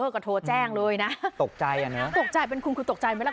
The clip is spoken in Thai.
ก็โทรแจ้งเลยนะตกใจอ่ะเนอะตกใจเป็นคุณคือตกใจไหมล่ะ